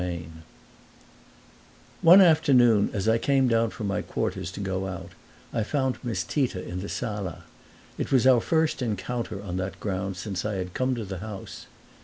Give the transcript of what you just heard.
VI One afternoon, as I came down from my quarters to go out, I found Miss Tita in the sala: it was our first encounter on that ground since I had come to the house.